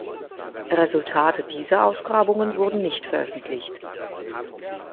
Resultate dieser Ausgrabungen wurden nicht veröffentlicht.